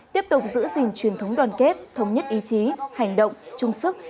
tiếp tục giữ gìn truyền thống đoàn kết thống nhất ý chí hành động trung sức